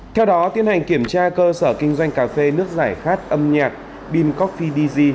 theo đó tiến hành kiểm tra cơ sở kinh doanh cà phê nước giải khát âm nhạc bim coffee dg